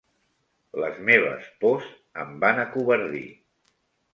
Les meves pors em van acovardir.